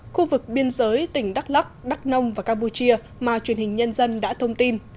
khu vực biên giới tỉnh đắk lắc đắk nông và campuchia mà truyền hình nhân dân đã thông tin